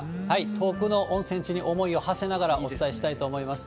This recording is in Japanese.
遠くの温泉地に思いをはせながらお伝えしたいと思います。